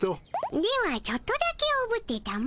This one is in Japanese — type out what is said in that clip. ではちょっとだけおぶってたも。